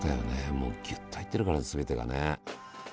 もうギュッと入ってるから全てがね。